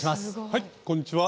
はいこんにちは。